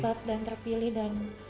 dapat dan terpilih dan